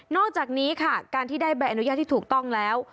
อกจากนี้ค่ะการที่ได้ใบอนุญาตที่ถูกต้องแล้ว